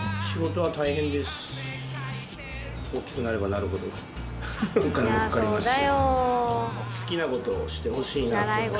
大きくなればなるほどお金もかかりますし。